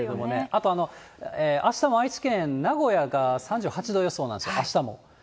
あとあしたも愛知県名古屋が３８度予想なんですよ、あしたも。